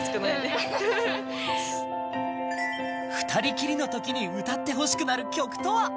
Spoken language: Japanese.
２人きりのときに歌ってほしくなる曲とは？